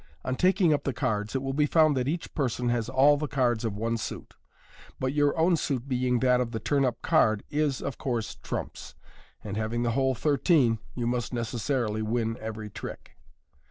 On taking up the cards, it will be found that each person has all the cards of one suit, but your own suit being that of the turn up card, is, of course, trumps j and having the whole thirteen, you must necessarily win every trick.